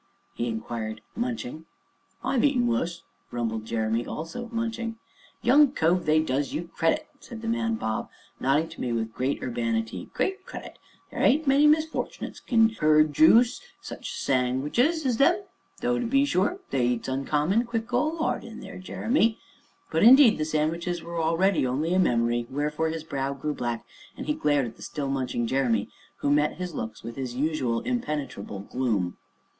he inquired, munching. "I've eat wuss!" rumbled Jeremy, also munching. "Young cove, they does you credit," said the man Bob, nodding to me with great urbanity, "great credit there ain't many misfort'nates as can per jooce such sang widges as them, though, to be sure, they eats uncommon quick 'old 'ard there, Jeremy " But, indeed, the sandwiches were already only a memory, wherefore his brow grew black, and he glared at the still munching Jeremy, who met his looks with his usual impenetrable gloom.